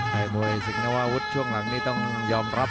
กลายมวยสิงฆวะอาวุธช่วงหลังนี้ต้องยอมรับ